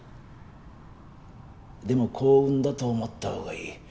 でも幸運だと思ったほうがいい。